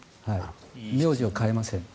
苗字を変えません。